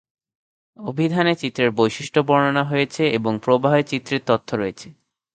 অভিধানে চিত্রের বৈশিষ্ট্য বর্ণনা করা হয়েছে, এবং প্রবাহে চিত্রের তথ্য রয়েছে।